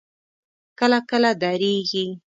کله کله درېږي.